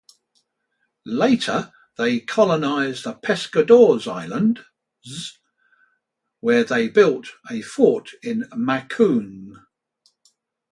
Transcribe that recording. Later they colonized the Pescadores Islands, where they built a fort in Makung.